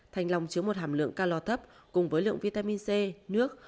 thanh long chứa một hàm lượng calor thấp cùng với lượng vitamin c nước